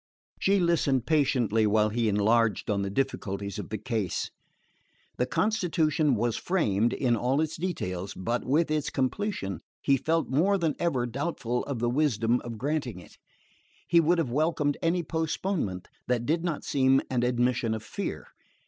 She listened patiently while he enlarged on the difficulties of the case. The constitution was framed in all its details, but with its completion he felt more than ever doubtful of the wisdom of granting it. He would have welcomed any postponement that did not seem an admission of fear.